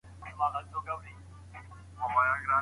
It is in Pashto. ولي مدام هڅاند د پوه سړي په پرتله لاره اسانه کوي؟